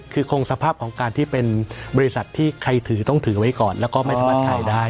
คือคงสภาพของการที่เป็นบริษัทที่ใครถือต้องถือไว้ก่อนแล้วก็ไม่สามารถขายได้